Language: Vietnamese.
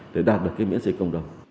để đạt được cái miễn dịch cộng đồng